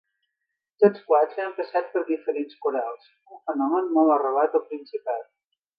Tots quatre han passat per diferents corals, un fenomen molt arrelat al Principat.